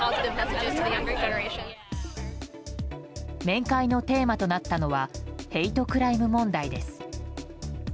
面会のテーマとなったのはヘイトクライム問題です。